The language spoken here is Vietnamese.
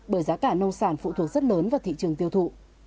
bởi giá cả nông sản phụ thuộc rất lớn vào thị trường tiêu thụ